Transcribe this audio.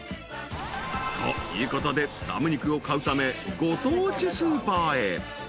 ［ということでラム肉を買うためご当地スーパーへ］